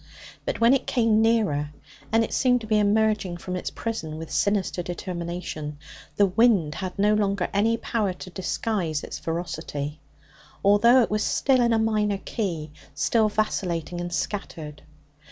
But when it came nearer and it seemed to be emerging from its prison with sinister determination the wind had no longer any power to disguise its ferocity, although it was still in a minor key, still vacillating and scattered.